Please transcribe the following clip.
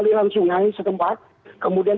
aliran sungai setempat kemudian